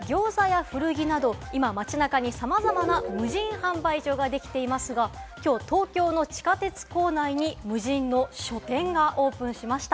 ギョーザや古着など今、街中にさまざまな無人販売所ができていますが、きょう、東京の地下鉄構内に無人の書店がオープンしました。